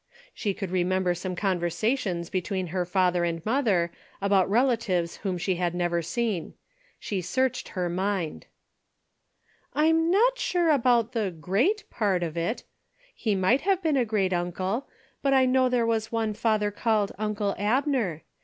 She could remember some conversations be tween her father and mother about relatives whom she had never seen. She searched her mind. " I'm not sure about the ' great ' part of it. He might have been a great uncle, but I know there was one father called uncle Abner.